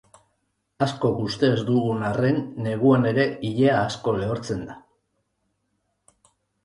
Askok uste ez dugun arren, neguan ere ilea asko lehortzen da.